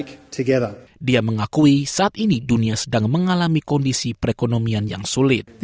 dan berinvestasi dalam keberanian dan potensi masa depan yang lebih berkembang yang bisa kita buat bersama